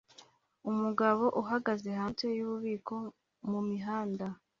Umugabo uhagaze hanze yububiko mumihanda